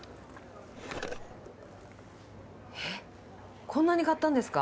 えっこんなに買ったんですか？